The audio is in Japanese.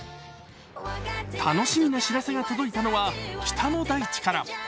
楽しみな知らせが届いたのは北の大地から。